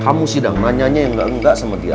kamu sedang nanyanya yang nggak sama dia